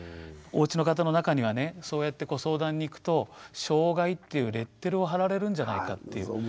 おうちの方の中にはねそうやってご相談に行くと障害っていうレッテルを貼られるんじゃないかっていう。